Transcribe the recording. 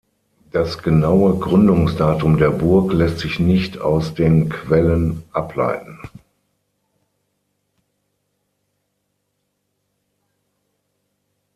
Das genaue Gründungsdatum der Burg lässt sich nicht aus den Quellen ableiten.